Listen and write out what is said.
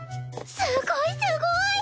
すごいすごい！